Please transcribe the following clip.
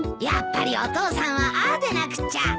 やっぱりお父さんはああでなくっちゃ。